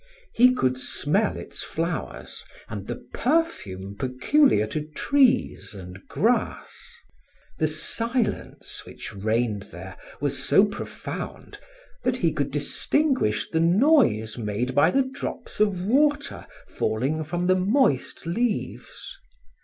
He could smell its flowers and the perfume peculiar to trees and grass. The silence which reigned there was so profound that he could distinguish the noise made by the drops of water falling from the moist leaves.